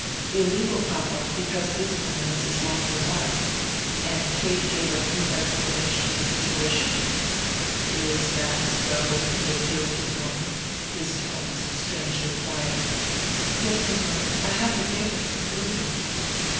"Illegal, papa, because this woman is his lawful wife." And Kate gave a brief explanation of the situation. "Is that so?" he appealed to the woman, his tones strangely quiet. "Yes, Señor; I have the papers to prove it."